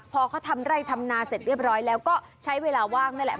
พอเขาทำไร่ทำนาเสร็จเรียบร้อยแล้วก็ใช้เวลาว่างนั่นแหละ